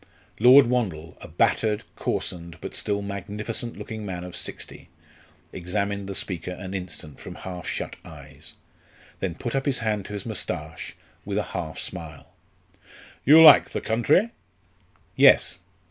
Lord Wandle a battered, coarsened, but still magnificent looking man of sixty examined the speaker an instant from half shut eyes, then put up his hand to his moustache with a half smile. "You like the country?" "Yes."